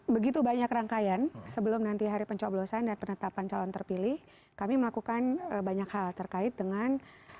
begitu banyak rangkaian sebelum nanti hari pencoblosan dan penetapan calon terpilih kami melakukan banyak hal terkait dengan